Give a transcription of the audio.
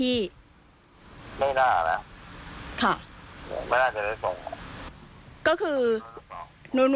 สวัสดีครับ